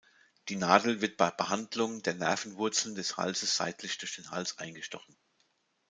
Die Nadel wird bei Behandlung der Nervenwurzeln des Halses seitlich durch den Hals eingestochen.